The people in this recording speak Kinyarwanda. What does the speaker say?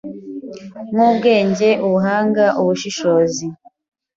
nk’ubwenge, ubuhanga, ubushishozi,